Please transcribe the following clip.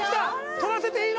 とらせていいの？